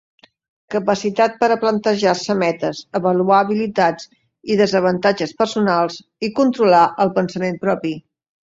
Capacitat per a plantejar-se metes, avaluar habilitats i desavantatges personals, i controlar el pensament propi.